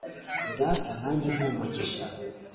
data nanjye mpa umugisha